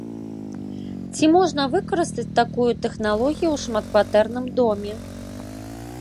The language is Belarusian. Ці можна выкарыстаць такую тэхналогію ў шматкватэрным доме?